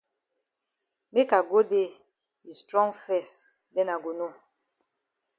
Make I go dey yi strong fes den I go know.